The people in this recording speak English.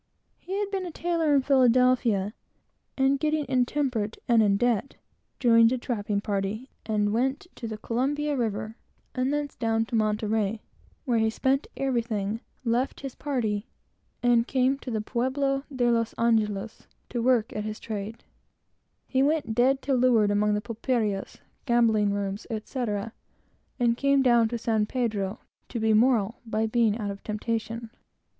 He had been a tailor in Philadelphia, and getting intemperate and in debt, he joined a trapping party and went to the Columbia river, and thence down to Monterey, where he spent everything, left his party, and came to the Pueblo de los Angelos, to work at his trade. Here he went dead to leeward among the pulperias, gambling rooms, etc., and came down to San Pedro, to be moral by being out of temptation.